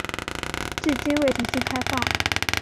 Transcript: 至今未重新开放。